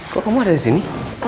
kok kamu ada di sini